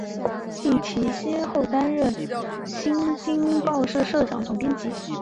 利用其先后担任新京报社社长、总编辑